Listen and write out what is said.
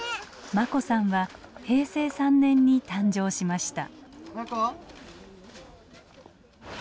眞子さんは平成３年に誕生しました。